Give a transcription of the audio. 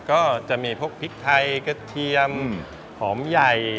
ก็จะมีพวกพริกไทยกระเทียมหอมใหญ่